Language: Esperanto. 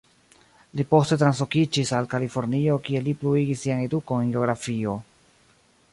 Li poste translokiĝis al Kalifornio kie li pluigis sian edukon en geografio.